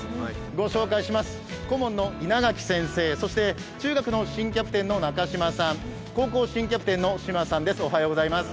ご紹介します、顧問の稲垣先生、そして中学の新キャプテンの中嶋さん、高校新キャプテンの志摩さんです。